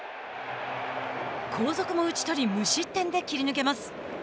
後続も打ち取り、無失点で切り抜けます。